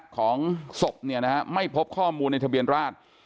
ของศพไม่พบข้อมูลในทะเบียนราช